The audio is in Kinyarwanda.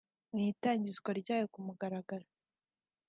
Mu itangizwa ryayo ku mugaragaro